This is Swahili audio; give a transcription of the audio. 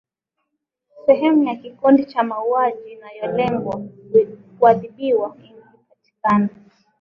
sehemu ya kikundi cha mauaji inayolengwa kuadhibiwa ilipatikana